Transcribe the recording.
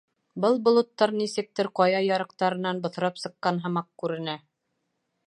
Был болоттар нисектер ҡая ярыҡтарынан боҫрап сыҡҡан һымаҡ күренә.